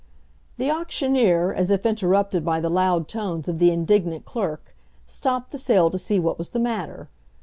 The auctioneer, as if interrupted by the loud tones of the indignant clerk, stopped the sale to see what was the matter.